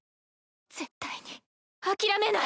絶対に諦めない。